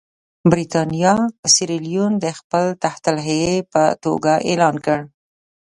برېټانیا سیریلیون د خپل تحت الحیې په توګه اعلان کړ.